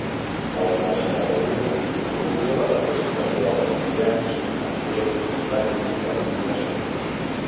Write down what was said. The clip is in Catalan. La Universitat de Utah promovia la participació dels estudiants en projectes pràctics de computació.